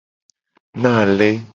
Na ale.